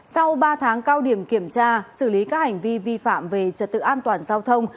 sau ba tháng cao điểm kiểm tra xử lý các hành vi vi phạm về trật tự an toàn giao thông